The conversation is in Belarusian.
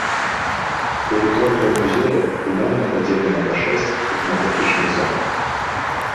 Тэрыторыя музея ўмоўна падзелена на шэсць этнаграфічных зон.